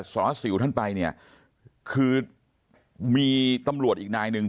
สตศิลป์ท่านไปนะครับคือมีตำรวจอีกนายหนึ่ง